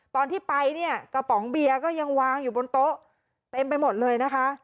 ตอนที่ไปเนี่ยกระป๋องเบียร์ก็ยังวางอยู่บนโต๊ะเต็มไปหมดเลยนะคะ